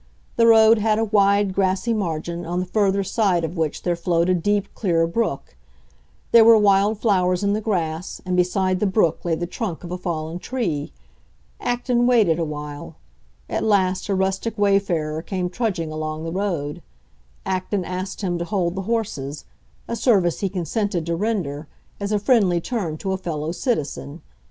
The road had a wide, grassy margin, on the further side of which there flowed a deep, clear brook; there were wild flowers in the grass, and beside the brook lay the trunk of a fallen tree. Acton waited a while; at last a rustic wayfarer came trudging along the road. Acton asked him to hold the horses—a service he consented to render, as a friendly turn to a fellow citizen.